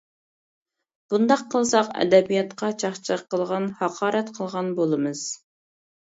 بۇنداق قىلساق ئەدەبىياتقا چاقچاق قىلغان، ھاقارەت قىلغان بولىمىز.